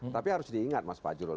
tapi harus diingat mas fajrul